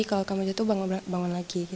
kalau kamu jatuh bangun lagi